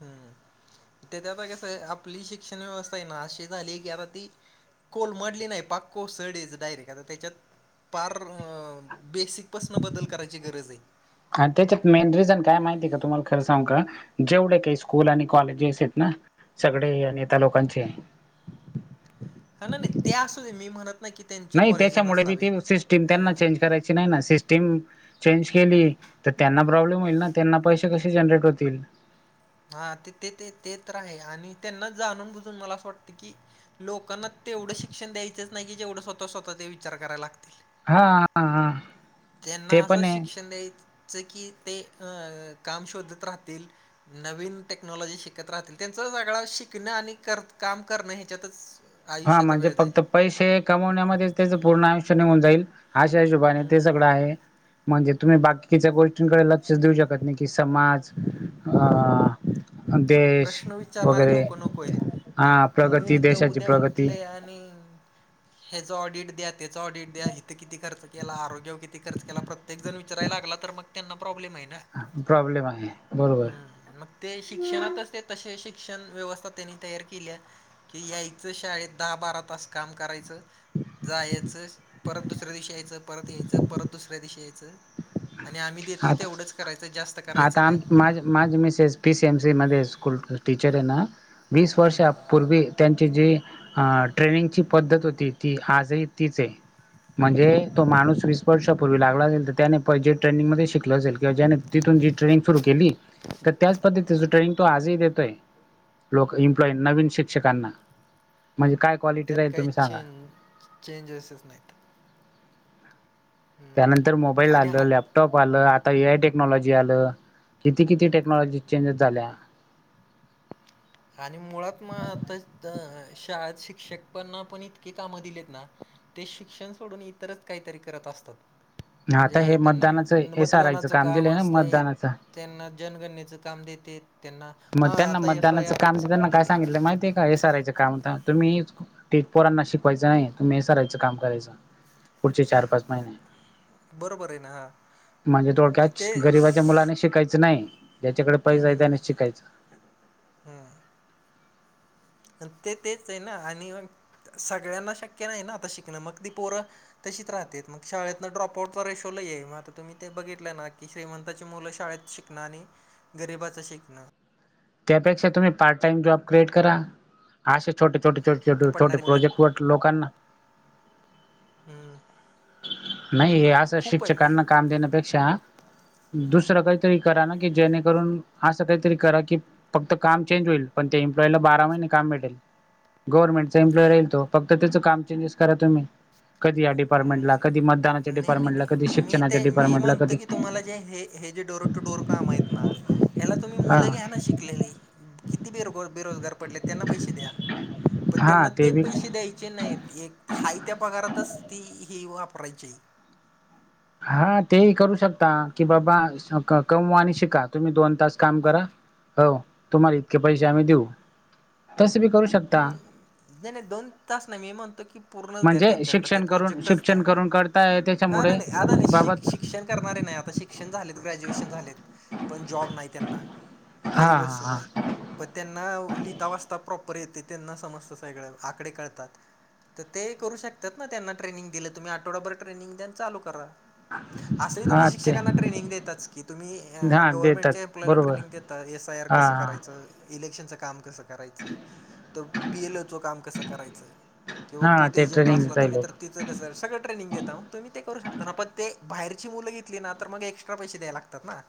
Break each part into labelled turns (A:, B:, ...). A: हम्म. ते आता कसं आपली शिक्षण व्यवस्था आहे ना अशी झाली की आता ती कोलमडली नाही पाक कोसळीच डायरेक्ट आता तेचात. पार बेसिकपासनं बदल करायची गरज ये.
B: आणि त्याच्यात मेन रिझन काय माहिती आहे का, तुम्हाला खरं सांगू का? जेवढे काही स्कूल कॉलेजेस आहेत ना ते सगळे नेता लोकांचे.
A: हा ना नाही ते असू दे मी म्हणत नाही की त्यांचे
B: नाही
A: कॉलेज
B: त्याच्यामुळे बी
A: नसावे
B: ती सिस्टीम
A: हां
B: त्यांना चेंज करायची नाही ना. सिस्ट तेन चेंज केली तर त्यांना प्रॉब्लेम होईल ना, त्यांना पैसे कसे जनरेट होतील?
A: हा ते ते ते ते तर आहे आणि त्यांनाच जाणून बुजून मला असं वाटतं की लोकांना तेवढं शिक्षण द्यायचंच नाही की, जेवढं स्वतः स्वतः ते विचार करायला लागतील.
B: हा हा हा.
A: त्यांना
B: ते
A: असं
B: पण आहे
A: शिक्षण द्यायचं की ते अ काम शोधत राहतील. नवीन टेक्नॉलॉजी शिकत राहतील. त्यांचं सगळा शिकणं आणि कर काम करणं ह्याच्यातच
B: हा
A: आयुष्याचा
B: म्हणजे
A: वेळ जाईल.
B: फक्त पैसे कमवण्यामध्येच त्यांचं पुर्ण आयुष्य निघून जाईल. आशा हिशोबाने ते
A: हं.
B: सगळं आहे. म्हणजे तुम्ही बाकीच्या गोष्टींकडे लक्षच देऊ शकतं नाही की समाज अ देश
A: प्रश्न विचारणारे
B: वगैरे
A: लोकं नको आहेत.
B: हा प्रगती देशाची प्रग
A: तले आणि. ह्याचं ऑडिट द्या, त्याचं ऑडिट द्या. हिथं किती खर्च केला, आरोग्यवर किती खर्च केला. प्रत्ये एक जण विचारायला लागला तर मग त्यांना प्रॉब्लेम आहे ना.
B: प्रॉब्लेम आहे बरोबर.
A: हम्म, मग ते शिक्षणातच ते तसे शिक्षण व्यवस्था त्यांनी तयार केल्या. की यायचं शाळेत दहा बारा तास काम करायचं. जा यायचं परत दुसऱ्या दिवशी यायचं परत यायचं परत दुसऱ्या दिवशी यायचं. आणि आम्ही देतोय ते
B: आता
A: एवढंच करायचं जास्त करायचं
B: आता आम
A: नाही.
B: माझ- माझ मिसस पी सी एमसी मध्ये स्कूल टीचर आहे ना वीस वर्ष पूर्वी त्यांची जी हां ट्रेनिंगची पद्धत होती ती आजही तीच आहे. म्हणजे तो माणूस वीस वर्षापूर्वी लागला असेल, तर त्यानेे प्रोजेक्ट ट्रेनिंगमध्ये शिकलो असेल किंवा ज्याने तिथून जी ट्रेनिंग सुरु केली. तर त्याच पद्धतीच ट्रेनिंग तो आजही देतोय. लोक इम्प्लॉई नवीन शिक्षकांना म्हणजे काय क्वालिटी
A: त्यात
B: राहील
A: काही
B: तुम्ही सांगा.
A: चेंज चेंजेसच नाहीत.
B: त्यानंतर
A: हम्म
B: मोबाईल
A: आणि
B: आलं लॅपॉप
A: आ-
B: लॅपटॉप आलं, आता ए आय टेक्नॉलॉजी आलं, किती किती टेक्नॉलॉजी चेंजेस झाल्या.
A: आणि मुळात मता आत्ता अ शाळेत शिक्षक पांना पण इतकी काम दिलेत ना ते शिक्षण सोडून इतरच काहीतरी करत असतात.
B: आता
A: म्हणजे
B: हे
A: त्यांना
B: मतदानाचं एस आर आयचं
A: मतदानाचं काम
B: दिलंय ना
A: असतंय.
B: मतदानाचं
A: त्यांना जनगणनेचं काम देते त्यांना हा
B: मग त्यांना
A: आता आय
B: मतदानाचं काम
A: आरचं
B: त्यांना
A: पण
B: काय
A: दिले.
B: सांगितलं माहितिय हे साररायचं काम होता तुम्ही पोरांना शिकवायचं नाही, तुम्ही हे सारायचं काम करायचं. पुढचे चार पाच महिने.
A: बर ना ह.
B: म्हणजे थोडक्याच गरिबाच्या मुलाने शिकायचं नाही, ज्याच्याकडे पैसा आहे त्याने शिकायच.
A: हम्म. ते तेच आहे ना आणि मग सगळ्यांना शक्य नाही नाही ना आता शिकणं मग ती पोरं तशी राहते मग शळेत ना ड्रॉप आउट रेशोला आहे, मग आता तुम्ही ते बघितलं ना की श्रीमंताची मुलं शाळेत शिक शिकणं आणि गरिबाचं शिकणं.
B: त्यापेक्षा तुम्ही पार्ट टाइमॉब क्रिए करा, असे छोट छोटे छोट छट छोटे
A: पडणारी मुलं
B: प्रोजेक्टवर लोकांना.
A: हम्म.
B: नाही हे असं
A: खूप आहे म्हणजे
B: शिक्षकांना काम देण्यापेक्षा दुसरं काहीतरी करा ना की जेणेकरून असं काहीतरी करा की फक्त काम चेंज होईल पण त्याम्पलॉईला बारा महिने काम भेटेल. गव्हर्नमेंटचा एम्प्लॉय राहीलो फक्त त्याचं काम चेजस करा तुम्ही कधी परमनंट ला,
A: हम्म
B: कधी मतदाना
A: नाही नाही
B: डपार्टमेंटला, कधी
A: नाही मी
B: शिक्षणा
A: ते मी
B: डिपार्टमेट ला,
A: म्हणतो
B: कधी
A: की तुम्हाला हे जे डोर टूडोर काम आहेत ना याला तुम्ही
B: हा
A: मुलं घ्या ना शिक किती बेरो -बेरोजगार पडले. त्यांना पैसे द्या पण
B: हा
A: त्यांना ते
B: बी
A: पैसे द्यायचे नाहीत एक हाय त्या पगारातच ती ही वापरायची.
B: हा ते ही करू शकता की बाबा कमवा आणि शिका तुम्ही दोन तास काम करा हो तुम्हाला इतके पैसे आम्ही देऊ. तस बी करू
A: हम्म
B: शकता
A: नाही नाही दोन तास नाही मी म्हणतो की पूर्णच द्या
B: म्हणजे
A: त्यांच्याकडे ते
B: शिक्षण करून
A: प्रोजेक्टच द्या
B: शिक्षण करून करताय
A: हा
B: त्याच्यामुळे
A: नाही नाही आ नाही शि-
B: बाबत
A: शिक्षण करणारे नाही आता शिक्षण झालेत ग्रॅज्युएशन झालेते पण जॉब नाही त्यांना घरी
B: हा
A: बसून
B: हा
A: आहेत. पण त्यांना लिहिता वाजता प्रॉपर येते त्यांना समस्त सगळे आकडे करळतात. तर ते करू शकतात ना त्यांना ट्रेनिंग दिलं तुम्ही, आठवडाभर ट्रेनिंग द्या अन चालू करा.
B: [inaudible]
A: असंही तुम्ही
B: ते
A: शिक्षकांना ट्रेनिंग देताच की. तुम्ही अ
B: हा देतात
A: गव्हर्मेंटच्या एम्प्लॉइजला
B: बरोबर
A: ट्रेनिंग देत आता एस आय आर
B: हा
A: कसं करायचं, इलेक्शनचं काम कसं करायचं. तर बी एल ओचं काम कसं करायचंय किंवा
B: हा
A: बूथ
B: ते
A: एजंट
B: ट्रेनिंग
A: असला
B: देत
A: तुम्ही तर
B: लोक
A: तिचं कसं सगळं ट्रेनिंग देत आहोत, तुम्ही ते करू शकता ना. पण ते बाहेरचे मुलं घेतली ना तर मग एक्स् एक्स्ट्रा पैसे द्याय लागतात ना.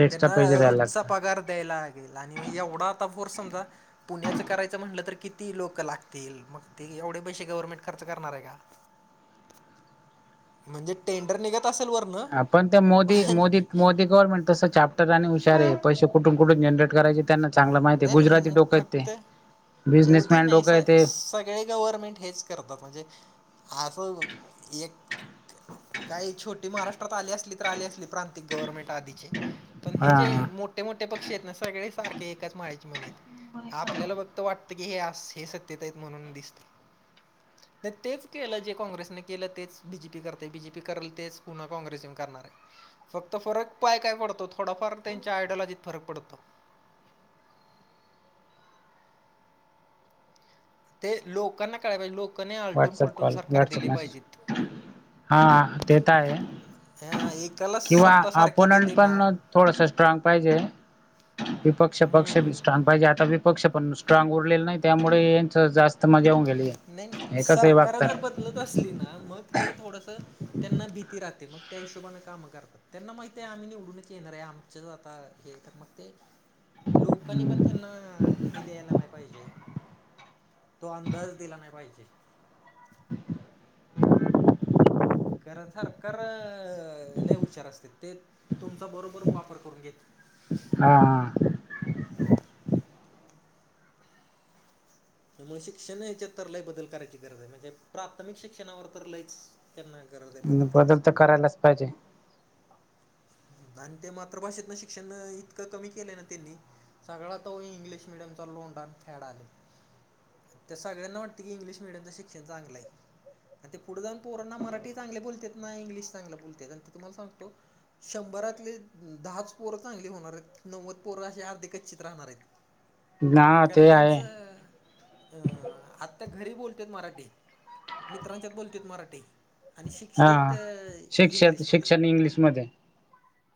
B: एक्स्ट्रा
A: त्यांना
B: पैसे द्यायला
A: रोजचा
B: लागतात
A: पगार द्यायला लागेल आणि मग एवढा आता फोर समजा पुण्याच करायचं म्हटलं तर किती लोक लागतील, मग ते एवढे पैसे गव्हर्नमेंट खर्च करणार आहे का. म्हणजे टेंडर निघत असेल वर
B: हां पण त्या मोदी मोदीक मोदीक गव्हर्मेंट तसं चॅप्टर आणि हुशार आहे. पैसे कुठून कुठून जनरेट करायचे त्यांना चांगलं माहिती आहे
A: नाही नाही
B: गुजराती
A: म-
B: डोक हाय ते.
A: फक्त मोदी
B: बिझनेसमॅन
A: नाही
B: डोक
A: स
B: हाय ते.
A: सगळे गव्हर्मेंट हेच करतात म्हणजे असं एक काही छोटी महाराष्ट्रात आली असली तर आली असली प्रांतिक गव्हर्नमेंट आधीचे. पण हे
B: हा
A: जे मोठे मोठे पक्षी आहेत ना सगळे सारख ते एकाच माळ्याची मनी हाईत. आपल्याला फक्त वाटतं की हे हे सत्यतेत आहेत म्हणून दिसते. [inaudible] नाही तेच केलं जे काँग्रेसने केलं तेच बीजेपी करतेय. बीजेपी करेल तेच पुन्हा काँग्रेस येऊन करणार आहे. फक्त फरक पाय काय पडतो थोडाफार त्यांच्या आयडिलॉजीत फरक पडतो. ते लोकांना कळाय पाहिजे. लोकांनी आलटून
B: व्हॉट्सअप
A: पलटून
B: कॉल
A: सरकार
B: व्हॉट्सअप
A: दिले
B: मेसेज
A: पाहिजेत.
B: हा ते तर आहे.
A: हा एकाला
B: किंवा
A: सत्ता सारखी
B: अपोन
A: दिली ना
B: पण थोडस स्ट्रॉग पाहिजे. विपक्ष
A: हम्म
B: पक्ष बी
A: हम्म
B: स्ट्रॉंग पाहिजे. आता विपक्ष पण स्ट्रांग उरलेलं नाही त्यामुळेच यांच जास्त मजाऊन गेली आहे.
A: नाही नाही सरकार जर बदलत असली ना, मग ते थोडंसं त्यांना भीती राहते, मग त्या हिशोबाने काम करतात. त्यांना माहितेय आम्ही निवडूनच येणार आहे. आमचं आता हे तर मग ते लोकांनी पण त्यांना हे द्यायला नाही पाहिजे तो अंदाज दिला नाही पाहिजे. कारण सरकार लई हुशार असतेत ते तुमचा बरोबर वापर करून घेतेत.
B: हा हा.
A: त्यामुळे शिक्षण याच्यात तर लई बदल करायची गरज आहे. म्हणजे प्राथमिक शिक्षणावर तर लईच त्यांना गरज आहे
B: मग बदल
A: करायची
B: तर करायलाच पाहिजे.
A: आणि ते मातृभाषेतनं शिक्षण इतकं कमी केलंय ना त्यांनी. सगळा तो इंग्लिश मिडीयमचा लोंडा आणि फॅड आलंय. त्या सगळ्यांना वाटतं की इंग्लिश मिडियमच शिक्षण चांगलं आहे. आणि ते पुढे जाऊ पोरांना मराठी चांगले बोलतेत ना इंग्लिश चांगलं बोलतेत आणि ते तुम्हाला सांगतो शंभरातले दहाच पोरं चांगली होणार आहेत. नव्वद पोरं अशीे आर्धि कच्चिउ राहणार आहेत. [inaudible]
B: ना ते आहे.
A: अ अंआत्ता घरी बोलत्यात मराठी, मित्रांच्यात बोलत्यात मराठी. आणि
B: हा
A: शिकतेत
B: शिक्षक
A: इंग्लिशमध्ये.
B: शिक्षण इंग्लिशमध्ये.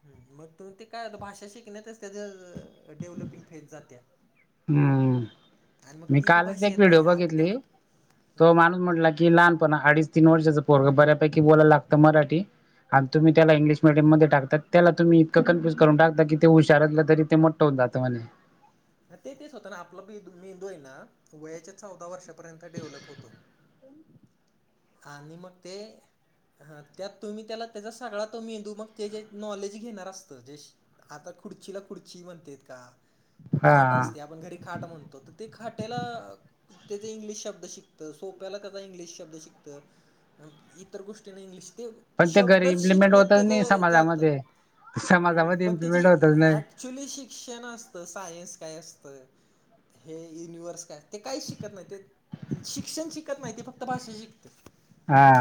A: हम्म, मग तु ते काय आता भाषा शिकण्यातच त्याज डेव्हलपिंग फेज जात्या.
B: हम्म.
A: आणि मग
B: मी
A: ती बी
B: कालच
A: भाषा
B: एक
A: येत
B: व्हिडिओ
A: नाही आपली
B: बघितली, तो
A: हम्म.
B: माणूस म्हंटला की लहानपण अडीच तीन वर्षाचं पोरग बऱ्यापैकी बोलायला लागतं मराठी. आणि तुम्ही त्याला इंग्लीश मिडियमध्ये टाकतात, त्याला तूम्ही इतकं कन्फ्युज करून टाकता की ते हुशार असलं तरी तरी ते म होऊन जात म्हणे.
A: ते तेच होतं ना, आपलं मेंदू आहे ना वयाच्या चौदा वर्षापर्यंत डेव्हलप होतो. आणि मग ते हा त्यात तुम्ही त्याला त्याचा सगळा तो मेंदू मग ते जे नॉलेज घेणार असतं. जे आता खुर्चीला खुर्ची म्हणते का? खाट
B: हा
A: असत्या आपण घरी खाट म्हणतो. ते खाट्याला त्याच इंग्लिश शब्द शिकतं, सोफ्ययाला त्याचा इंग्लिश शब्द शिक तर इतर गोष्टीना इंग्लिश ते
B: पण ते घरी
A: शब्दच
B: इम्प्लिमेंट
A: शिकण्यात
B: होतच
A: त्याच
B: नाही
A: जातं,
B: समाजामध्ये
A: ‌ हं
B: समाजामध्ये
A: पण त्याची
B: इम्प्लिमेंट होतच
A: ऍट
B: नाही
A: ॲक्च्युली शिक्षण असतं, सायन्स काय असतं? हे युनिव्हर्स काय ते काही शिकत नाही. ते शिक्षण शिकत नाही, ते फक्त भाषा शिक तर
B: हा.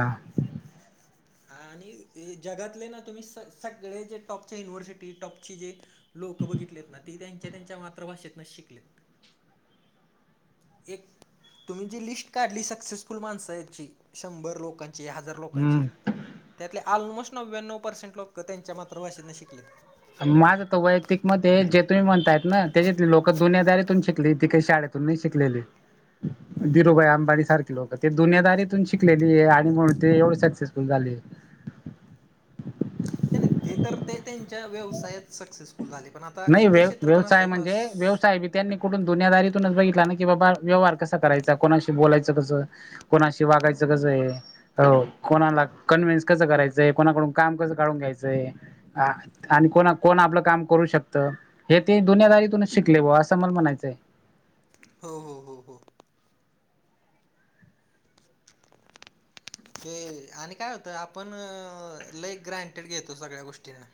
A: आणि जगातले ना तुम्ही स-सगळे जे टॉपच्या युनिव्हर्सिटी टॉपचे जे लोक बघितलेत ना, ते त्यांच्या त्यांच्या मातृभाषेतनच शिकलेत. एक तुम्ही जी लिस्ट काढली सक्सेसफुल माणसांची. शंभर लोकांची, हजार लोकांची.
B: हम्म
A: त्यातले ऑलमोस्ट नव्याण्णव पर्सेंट लोक त्यांच्या मातृभाषेतनं शिकलेत.
B: माझं तर वैयक्तिक मत आहे जे तुम्ही म्हणतायत ना, त्याच्यातली लोकं दुनियादारीतून शिकली ते काय शाळेत तुन नाही शिकलेली.
A: [inaudible]
B: धीरूभाई अंबानीसारखी लोक ते दुनियादारीतून शिकलेली हे आणि म्हणून ते एवढं सक्सेसफुल झाले.
A: नाही ते तर ते त्यांच्या व्यवसायात सक्सेसफुल झाले, पण आता इतर क्षेत्र पण असतात ना
B: कायबी त्यांनी कुठून दुनियादारीतूनच बघितला ना की बाबा व्यवहार कसा करायचा, कोणाशी बोलायचं कसं. कोणाशी वागायचं कसं हे हो कोणाला कन्व्हेन्स कसं करायचंय, कोणाकडून काम कसं काढून घ्यायचंय. हा आण कोणा कोण आपलं काम करू शक तर हे ते दुन्यादारीतूनच शिकले बुवा असं मला म्हणायचंय.
A: हो हो हो हो. ते आणि काय होतं आपण लई ग्रँणटेड घेतो सगळ्या गोष्टींना.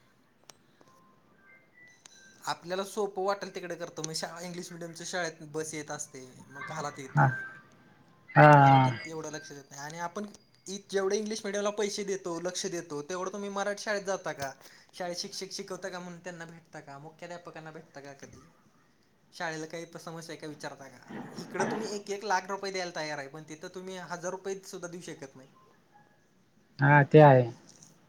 A: आपल्याला सोप्पं वाटेल तिकडं करतो. मग शाळा इंग्लिश मिडियमच्या शाळेत बस येत असते. मग काला
B: हा
A: तिथं
B: हा
A: मराठीत तेवढं लक्ष देत नाही आणि आपण ते तेवढे इंग्लिश मिडियमला पैसे देतो, लक्ष देतो. तेवढं तुम्ही मराठी शाळेत जाता का? शाळेत शिक्षक शिकवता का म्हणून त्यांना भेटता का? मग मुख्याध्यापकांना भेटता का कधी? शाळेला काही समस्या आहे विचारता का? हिकडं तुम्ही एक एक लाख रु पये द्यायला तयार आहे, पण तिथं तुम्ही हजार रुपयेसुद्धा देऊ शकत नाही.
B: हा ते आहे.
A: [inaudible]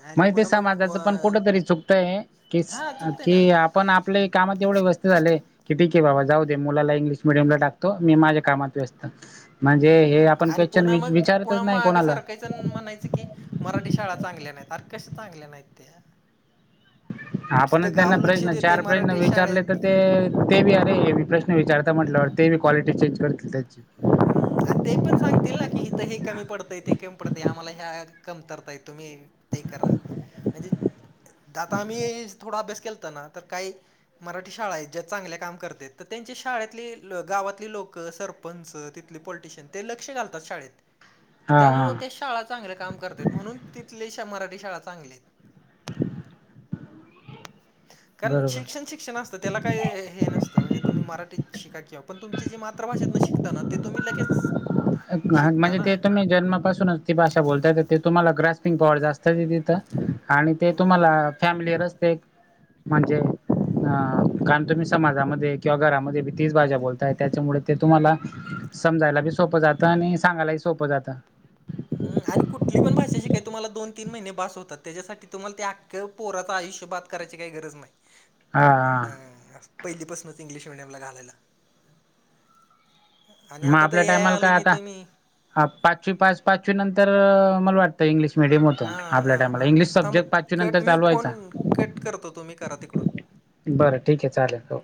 A: आणि
B: माहितेय
A: पुन्हा मग
B: समाजाच पण
A: व-
B: कुठं तरी चुकतंय, की
A: हा चुकतंय ना
B: की आ आपण आपले कामात एवढे व्यस्त झालेय की ठीक आहे बाबा जाऊ दे मुलाला इंग्लिश मिडियम ला टाकतो. मी माझ्या कामात व्यस्त. म्हणजे हे
A: हम्म
B: आपण
A: आणि
B: क्वेश्चन
A: पुन्हा मग
B: विचारतच
A: पुन्हा
B: नाही
A: मागं
B: कोणाला.
A: सरकायचं म्हणायचं की मराठी शाळा चांगल्या नाहीत. अरे कशा चांगल्या नाहीत त्या. जिथं
B: आपणच त्यांना
A: गाव लक्ष
B: प्रश्न
A: देत
B: चार प्रश्न
A: मराठी
B: विचारले
A: शाळेत.
B: तर ते ते बी अरे हे प्रश्न विचारता. म्हटल्यावर ते बी क्वालिटी चेंज करतील त्याची.
A: हम्म आणि ते पण सांगतील ना, की इथं हे कमी पडतंय ते कमी पडतय आम्हाला ह्या कमतरताय तुम्ही. ते करा. म्हणजे दाता आम्ही थोडा अभ्यास केला तर ना तर काही. मराठी शाळा आहेत ज्या चांगल्या काम करते तर त्यांचे शाळेतले गावातली लोक सरपंच. त पाॅलिटेशन लक्ष घालतात शाळेत
B: हा हा
A: त्यामुळे शा चांगलं काम करते. म्हणून तिथले श मराठी शाळा चांगले आहेत. कारण
B: बरोबर
A: शिक्षण शिक्षण असतं. तर त्याला काय हे नसतं म्हणजे तुम्ही मराठीत शिका. किंवा पण तुमची जे मातृ भाषेतन शिकता ना ते तुम्ही लगेच. [unintelligible]
B: नाही
A: शिकता
B: म्हणजे
A: ना
B: ते तुम्ही. जन्मापासूनच ती भाषा बोलता येत. तुम्हाला ग्रास्पिंग पॉवर जास्त तिथं. आणि ते
A: हम्म,
B: तुम्हाला फॅमिली रस्ते. म्हणजे अ कारण तुम्ही समाजामध्ये किंवा घरामध्ये. तीच भाषा बोलताय त्यांच्यामुळे ते तुम्हाला, समजायला बी सोपं जातं आणि सांगायलाही सोपं जातं.
A: ह आणि कुठली पण भाषा शिकाय तुम्हाला दोन तीन महिने बस होतात. त्याच्यासाठी तुम्हाला ते आख. पोराचं आयुष्यं बाद करायची काही गरज नाही.
B: हा
A: पहिलीपासूनच इंग्लिश मिडियमला घालायला. आणि
B: मग
A: आता तर
B: आपल्या
A: येआय
B: टायमाला
A: आलं
B: काय
A: की
B: आता
A: तुम्ही.
B: हा पाचवी पाच पाचवी नंतर मला वाटत. इंग्लिश मिडियम होतं.
A: हां
B: आपल्या
A: हां
B: टायमाला
A: हां
B: इंग्लिश
A: थांब
B: सब्जेक्ट पाचवी
A: कट
B: नंतर चालू व्हायचा.
A: कडून.
B: बरं ठीक आहे चालेल हो.